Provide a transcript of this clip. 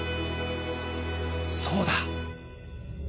そうだ！